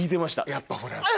やっぱほら。